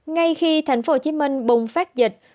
ngay khi tp hcm bùng phát dịch